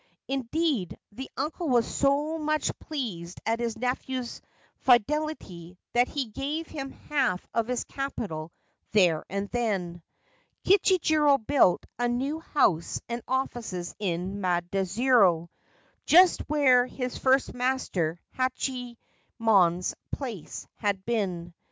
Indeed, the uncle was so much pleased at his nephew's fidelity that he gave him half of his capital there and then. Kichijiro built a new house and offices in Maidzuru, just where his first master Hachiyemon's place had been.